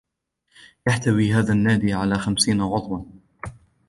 يحتوي هذا النادي على خمسين عضوا.